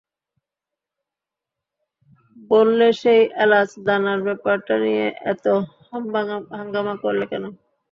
বললে, সেই এলাচদানার ব্যাপারটা নিয়ে এত হাঙ্গামা করলে কেন?